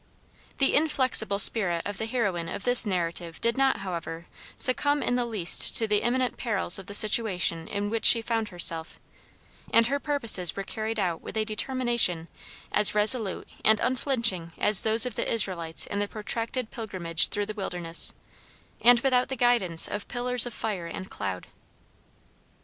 The inflexible spirit of the heroine of this narrative did not, however, succumb in the least to the imminent perils of the situation in which she found herself, and her purposes were carried out with a determination as resolute and unflinching as those of the Israelites in their protracted pilgrimage through the wilderness, and without the guidance of pillars of fire and cloud.